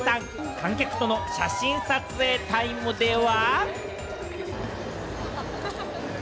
観客との写真撮影タイムでは。